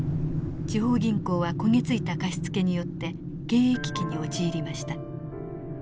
地方銀行は焦げ付いた貸し付けによって経営危機に陥りました。